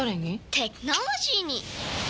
テクノロジーに！